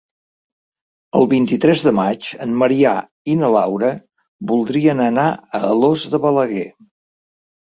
El vint-i-tres de maig en Maria i na Laura voldrien anar a Alòs de Balaguer.